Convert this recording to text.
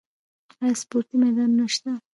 آیا سپورتي میدانونه شته؟